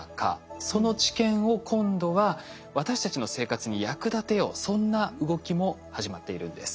その知見を今度は私たちの生活に役立てようそんな動きも始まっているんです。